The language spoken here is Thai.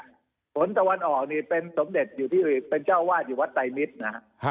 ฝนตะวันออกนี่เป็นสมเด็จอยู่ที่เป็นเจ้าวาดอยู่วัดไตรมิตรนะฮะ